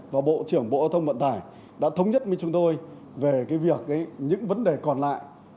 và bộ trưởng bộ giao thông vận tải đã thống nhất với chúng tôi về những vấn đề còn lại